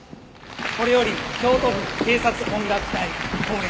これより京都府警察音楽隊恒例